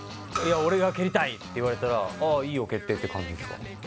「いや俺が蹴りたい！」って言われたら「ああいいよ蹴って」って感じですか？